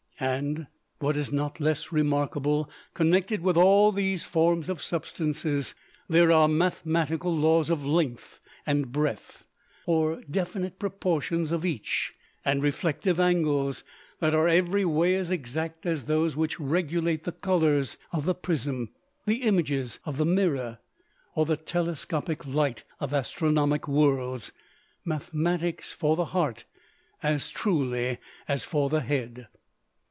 And, what is not less remarkable, connected with all these forms of substances there are mathematical laws of length and breadth, or definite proportions of each, and reflective angles, that are every way as exact as those which regulate the colors of the prism, the images of the mirror, or the telescopic light of astronomic worlds mathematics for the heart as truly as for the head.